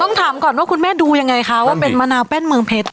ถามก่อนว่าคุณแม่ดูยังไงคะว่าเป็นมะนาวแป้นเมืองเพชร